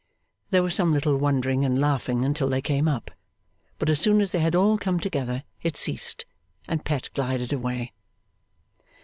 There was some little wondering and laughing until they came up; but as soon as they had all come together, it ceased, and Pet glided away.